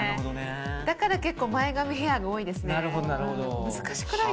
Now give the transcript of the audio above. だから結構、前髪ヘアが多いですね。